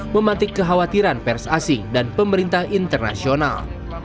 mematik kekhawatiran pers asing dan pemerintah internasional